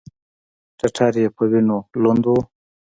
ټټر یې په وینو لوند و.